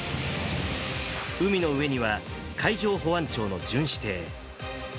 海の上には海上保安庁の巡視艇。